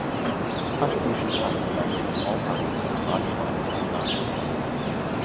Contributions come from members of all parties of the Scottish left and none.